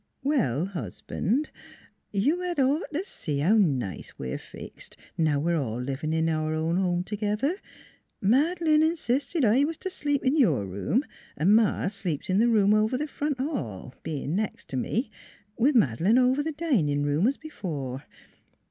Well, Husband, you had ought to see how nice we are fixed, now we are all living in our own home together. Madeleine insisted I was to sleep in your room & Ma sleeps in the room over the front hall, being next to me, with Madeleine over the dining room, as before.